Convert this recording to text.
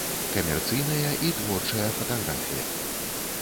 Камерцыйная і творчая фатаграфія.